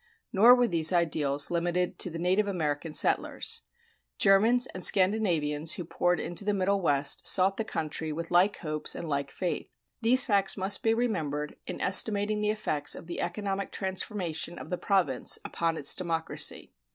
Nor were these ideals limited to the native American settlers: Germans and Scandinavians who poured into the Middle West sought the country with like hopes and like faith. These facts must be remembered in estimating the effects of the economic transformation of the province upon its democracy.